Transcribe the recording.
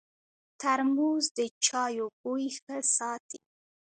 ترموز د چایو بوی ښه ساتي.